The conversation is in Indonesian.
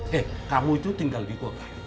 hei kamu itu tinggal di kota